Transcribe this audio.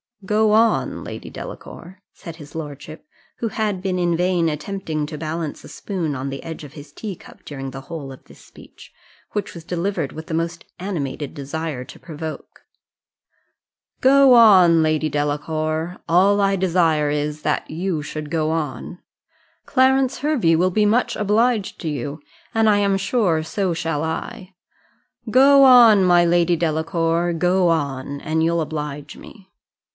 "Go on, Lady Delacour," said his lordship, who had been in vain attempting to balance a spoon on the edge of his teacup during the whole of this speech, which was delivered with the most animated desire to provoke "Go on, Lady Delacour all I desire is, that you should go on; Clarence Hervey will be much obliged to you, and I am sure so shall I. Go on, my Lady Delacour go on, and you'll oblige me."